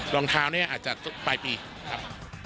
รองเท้าเนี่ยอาจจะปลายปีครับ